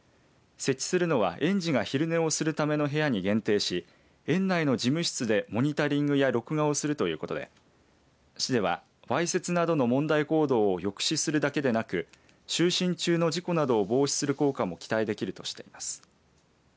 設置するのは園児が昼寝をするための部屋に限定し園内の事務室でモニタリングや録画をするということで市はわいせつなどの問題行動を抑止するだけでなく就寝中の事故などを防止する効果も期待できるとしています。